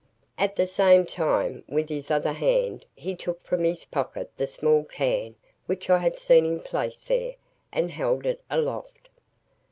At the same time, with his other hand, he took from his pocket the small can which I had seen him place there, and held it aloft.